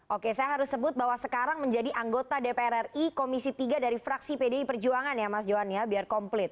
oke saya harus sebut bahwa sekarang menjadi anggota dpr ri komisi tiga dari fraksi pdi perjuangan ya mas johan ya biar komplit